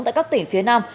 tại các tỉnh phía nam